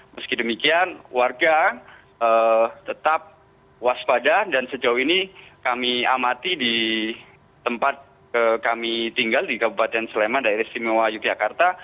meski demikian warga tetap waspada dan sejauh ini kami amati di tempat kami tinggal di kabupaten sleman daerah istimewa yogyakarta